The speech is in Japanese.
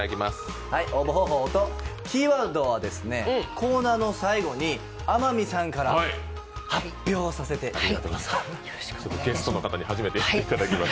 応募方法とキーワードはコーナーの最後に天海さんから発表していただきます。